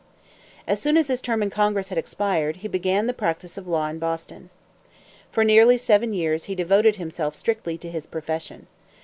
As soon as his term in Congress had expired, he began the practice of law in Boston. For nearly seven years he devoted himself strictly to his profession.